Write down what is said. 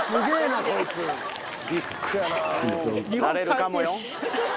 なれるかもよ。